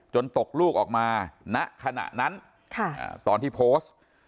ตกลูกออกมาณขณะนั้นตอนที่โพสต์